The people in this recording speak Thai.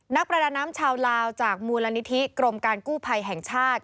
นักประดาน้ำชาวลาวจากมูลนิธิกรมการกู้ภัยแห่งชาติ